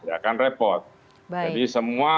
akan repot jadi semua